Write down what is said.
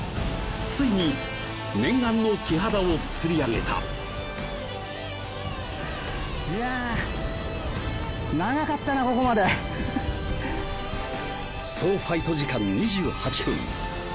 ついに念願のキハダを釣り上げたいや総ファイト時間２８分